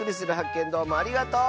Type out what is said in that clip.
けんどうもありがとう！